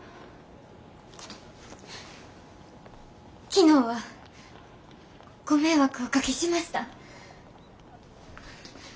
昨日はご迷惑をおかけしました。